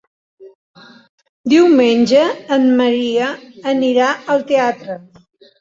Diumenge en Maria anirà al teatre.